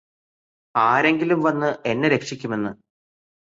ആരെങ്കിലും വന്ന് എന്നെ രക്ഷിക്കുമെന്ന്